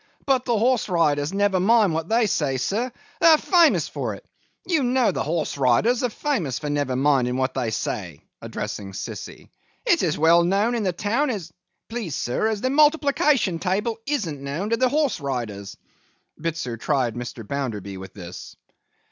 But the horse riders never mind what they say, sir; they're famous for it. You know the horse riders are famous for never minding what they say,' addressing Sissy. 'It's as well known in the town as—please, sir, as the multiplication table isn't known to the horse riders.' Bitzer tried Mr. Bounderby with this.